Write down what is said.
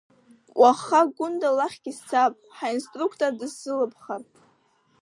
Уаха Гәында лахьгьы сцап, ҳаинструктор дысзылыԥхар!